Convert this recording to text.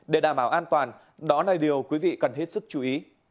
để đảm bảo an toàn đó là điều quý vị cần hết sức chú ý